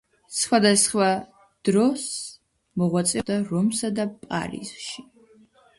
სხვადასხვა დროს მოღვაწეობდა რომსა და პარიზში.